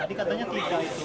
tadi katanya tiga itu